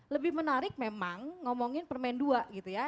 lebih menarik memang ngomongin permendua gitu ya